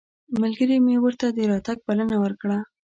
ملګري مې ورته د راتګ بلنه ورکړه.